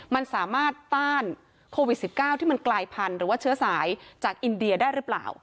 มันสามารถต้านโควิด๑๙ที่มันกลายพันธุ์หรือว่าเชื้อสายจากอินเดียได้หรือเปล่า